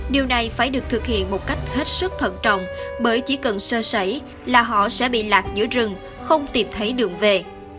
điều này phải được thực hiện một cách hết sức thận trọng bởi chỉ cần sơ sẩy là họ sẽ bị lạc giữa rừng không tìm thấy đường về